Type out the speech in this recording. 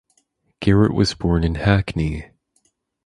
Garrett was born in Hackney.